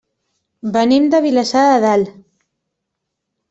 Venim de Vilassar de Dalt.